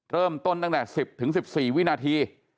เริ่มต้นตั้งแต่๑๐๑๔วินาที